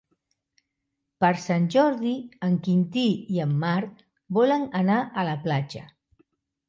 Per Sant Jordi en Quintí i en Marc volen anar a la platja.